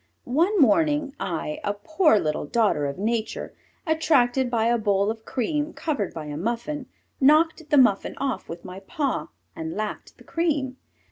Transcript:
One morning I, a poor little daughter of Nature, attracted by a bowl of cream, covered by a muffin, knocked the muffin off with my paw, and lapped the cream.